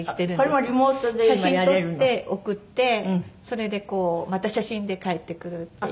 写真撮って送ってそれでまた写真で返ってくるっていう。